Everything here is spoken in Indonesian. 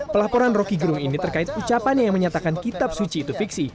pelaporan roky gerung ini terkait ucapannya yang menyatakan kitab suci itu fiksi